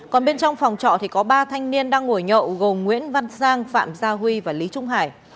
còn bên trong phòng trọ có ba thanh niên đang ngồi nhậu gồm nguyễn văn sang phạm gia huy và lý trung hải